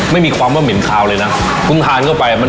ไม่มีความว่าเหม็นคาวเลยนะเพิ่งทานเข้าไปมัน